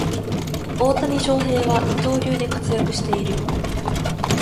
大谷翔平は二刀流で活躍している